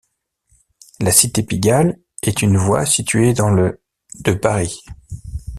La cité Pigalle est une voie située dans le de Paris.